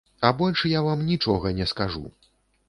А больш я вам нічога не скажу.